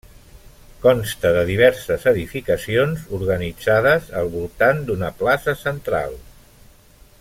Consta de diverses edificacions organitzades al voltant d'una plaça central.